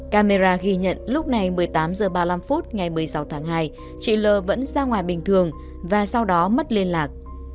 camera ghi nhận lúc này một mươi tám h ba mươi năm phút ngày một mươi sáu tháng hai chị l vẫn ra ngoài bình thường và sau đó mất liên lạc